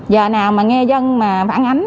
giờ nào mà nghe dân mà phản ánh